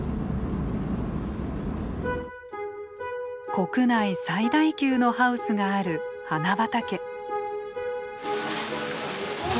国内最大級のハウスがある花畑。